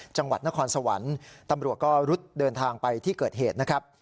จังหวัดนครสวรรค์ตำรวจก็รุดเดินทางไปที่เกิดเหตุนะครับ